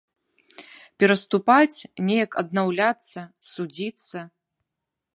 Перапаступаць, неяк аднаўляцца, судзіцца?